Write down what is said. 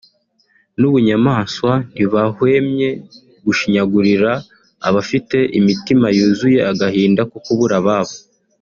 n’ubunyamaswa ntibahwemye gushinyagurira abafite imitima yuzuye agahinda ko kubura ababo